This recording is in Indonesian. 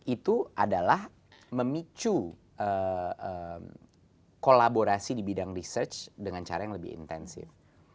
itu adalah memicu kolaborasi di bidang research dengan cara yang lebih intensif